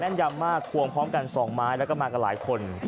นยำมากควงพร้อมกัน๒ไม้แล้วก็มากับหลายคน